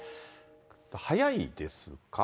速いですか？